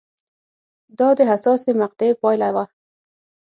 دا د حساسې مقطعې پایله وه